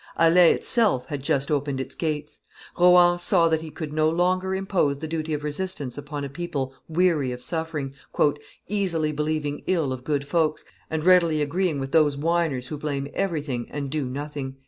Alais itself had just opened its gates. Rohan saw that he could no longer impose the duty of resistance upon a people weary of suffering, "easily believing ill of good folks, and readily agreeing with those whiners who blame everything and do nothing."